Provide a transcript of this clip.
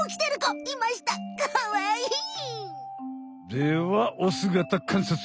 ではおすがたかんさつ。